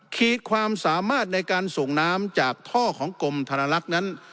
ขีดความสามารถในการส่งน้ำจากท่อของกรมธนลักษณ์นั้น